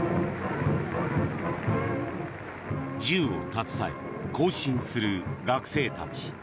銃を携え行進する学生たち。